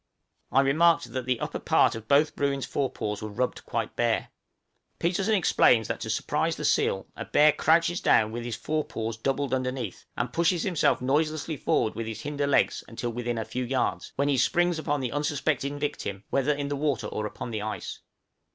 I remarked that the upper part of both Bruin's fore paws were rubbed quite bare; Petersen explains that to surprise the seal a bear crouches down with his fore paws doubled underneath, and pushes himself noiselessly forward with his hinder legs until within a few yards, when he springs upon the unsuspecting victim, whether in the water or upon the ice.